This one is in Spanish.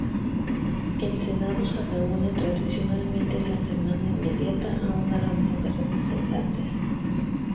El Senado se reúne tradicionalmente en la semana inmediata a una reunión de Representantes.